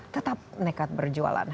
tetap nekat berjualan